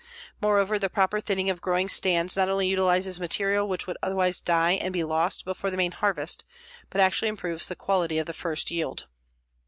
Moreover, the proper thinning of growing stands not only utilizes material which would otherwise die and be lost before the main harvest, but actually improves the quality of the first yield.